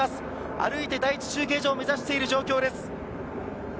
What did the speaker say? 歩いて第１中継所を目指している状況です。